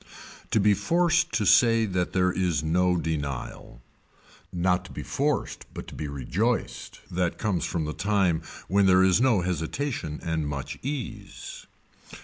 To be forced to say that there is no denial, not to be forced but to be rejoiced that comes from the time when there is no hesitation and much ease.